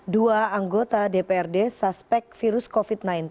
dua anggota dprd suspek virus covid sembilan belas